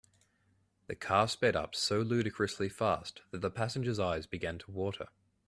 The car sped up so ludicrously fast that the passengers eyes began to water.